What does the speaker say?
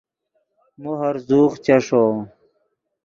مو ہرزوغ چیݰو